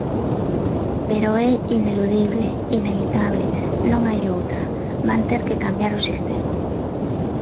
Pero é ineludible, inevitable, non hai outra, van ter que cambiar o sistema.